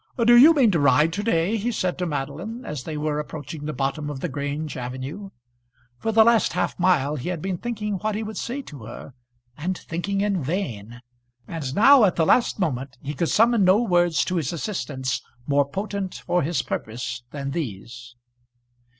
"Do you mean to ride to day," he said to Madeline, as they were approaching the bottom of the Grange avenue. For the last half mile he had been thinking what he would say to her, and thinking in vain; and now, at the last moment, he could summon no words to his assistance more potent for his purpose than these.